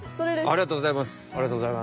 ありがとうございます。